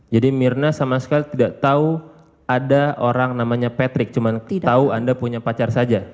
jadi mirna sama sekali tidak tahu ada orang namanya patrick cuma tahu anda punya pacar saja